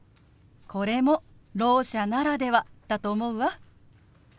これもろう者ならではだと思うわ。